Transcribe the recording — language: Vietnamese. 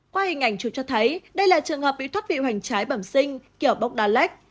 qua hình ảnh chụp cho thấy đây là trường hợp bị thoát vị hoành trái bẩm sinh kiểu bốc lách